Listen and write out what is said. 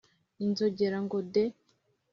inzogera ngo de